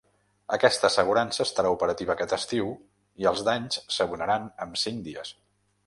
Aquesta assegurança estarà operativa aquest estiu i els danys s’abonaran amb cinc dies.